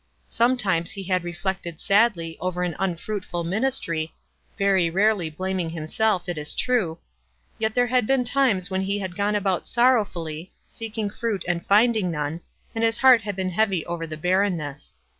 Some times he had reflected sadly over an unfruitful 206 WISE AND OTHERWISE. ministry, very rarely blaming himself, it is true ; yet there had been times when he had gone about sorrowfully, seeking fruit and rinding none, and his heart had been heavy over the barrenness.